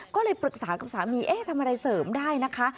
ก็เลยปรึกษากับสามีเอ๊ะทำอะไรเสริมได้นะคะ